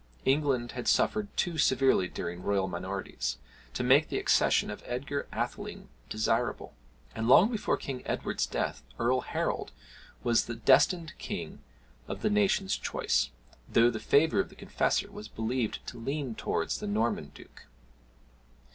England had suffered too severely during royal minorities, to make the accession of Edgar Atheling desirable; and long before King Edward's death, Earl Harold was the destined king of the nation's choice, though the favour of the Confessor was believed to lean towards the Norman duke.